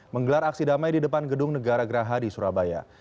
menggelar aksi damai di depan gedung negara geraha di surabaya